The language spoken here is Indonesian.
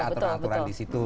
aturan aturan di situ